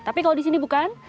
tapi kalau di sini bukan